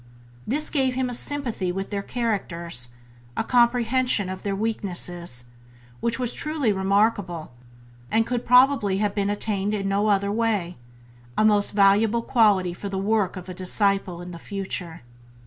This gave him a sympathy with their characters, a comprehension of their weaknesses, which was truly remarkable, and could probably have been attained in no other way — a most valuable quality for the work of a disciple in the future.